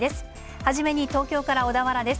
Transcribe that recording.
初めに東京から小田原です。